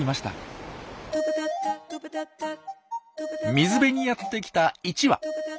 水辺にやって来た１羽。